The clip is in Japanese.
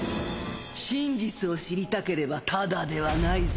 真実を知りたければタダではないぞ。